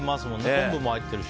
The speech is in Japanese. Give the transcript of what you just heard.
昆布も入っているし。